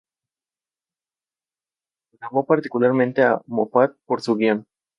Además cada número contiene suplementos de las diócesis locales.